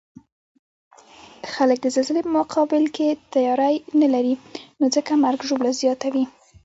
خلک د زلزلې په مقابل کې تیاری نلري، نو ځکه مرګ ژوبله زیاته وی